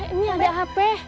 ini ada hp